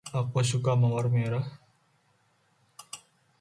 Aku suka mawar merah.